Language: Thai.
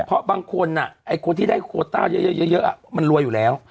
เพราะบางคนไอ้คนที่ได้โคต้าเยอะมันรวยอยู่แล้ว